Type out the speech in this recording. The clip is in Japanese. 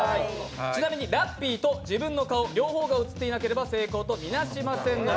ちなみにラッピーと自分の顔、両方が写っていなければ成功とはなりません。